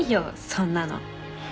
そんなの。